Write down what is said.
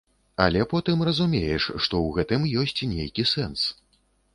Але потым разумееш, што ў гэтым ёсць нейкі сэнс.